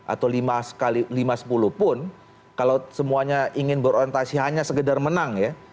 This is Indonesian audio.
atau lima sepuluh pun kalau semuanya ingin berorientasi hanya segedar menang ya